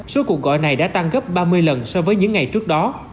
số cuộc gọi này đã tăng gấp ba mươi lần so với những ngày trước đó